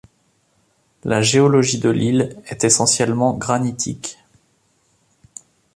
La géologie de l'île est essentiellement granitique.